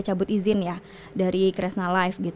cabut izin ya dari kresna life